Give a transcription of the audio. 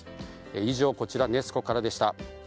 以上、こちらネス湖からでした。